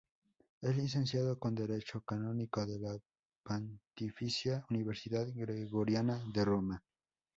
Es licenciado en Derecho Canónico de la Pontificia Universidad Gregoriana de Roma.